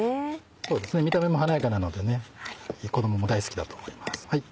そうですね見た目も華やかなので子供も大好きだと思います。